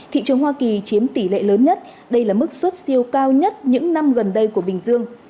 thị trường hoa kỳ chiếm tỷ lệ lớn nhất đây là mức xuất siêu cao nhất những năm gần đây của bình dương